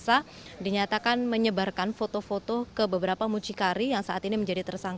ahli bahasa ahli dari kementerian